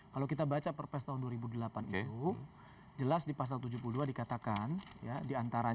kalau kita baca perpres tahun dua ribu delapan itu jelas di pasal tujuh puluh dua dikatakan